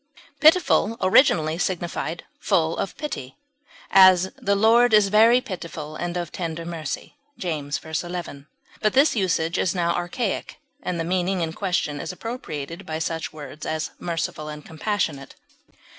Pitiful originally signified full of pity; as, "the Lord is very pitiful and of tender mercy," James v, 11; but this usage is now archaic, and the meaning in question is appropriated by such words as merciful and compassionate.